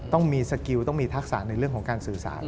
ต้องมีสกิลต้องมีทักษะในเรื่องของการสื่อสาร